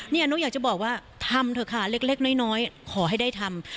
หนูอยากจะบอกว่าทำเถอะค่ะเล็กน้อยขอให้ได้ทำ